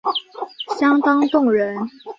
相当动人